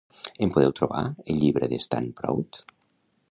Em podeu trobar el llibre Stand Proud?